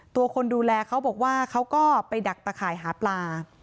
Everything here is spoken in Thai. ตัวคนดูแลเขาบอกว่าเขาก็ไปดักตะข่ายหาปลา